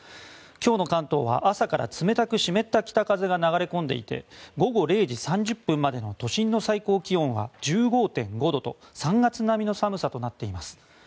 今日の関東は朝から冷たく湿った北風が流れ込んでいて午後０時３０分までの都心の最高気温は１５．５度と３月並みの寒さです。